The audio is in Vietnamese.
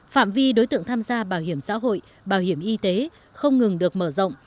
phạm vi đối tượng tham gia bảo hiểm xã hội bảo hiểm y tế không ngừng được mở rộng